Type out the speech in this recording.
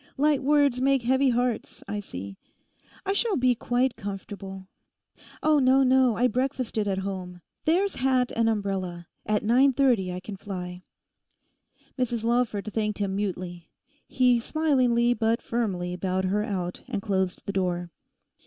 Light words make heavy hearts, I see. I shall be quite comfortable. No, no, I breakfasted at home. There's hat and umbrella; at 9.3 I can fly.' Mrs Lawford thanked him mutely. He smilingly but firmly bowed her out and closed the door.